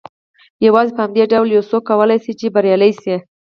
يوازې په همدې ډول يو څوک کولای شي چې بريالی شي.